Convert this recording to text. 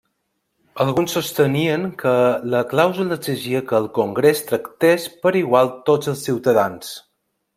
Alguns sostenien que la clàusula exigia que el Congrés tractés per igual tots els ciutadans.